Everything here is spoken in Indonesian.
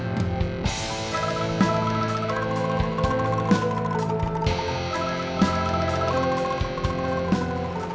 terima kasih bapak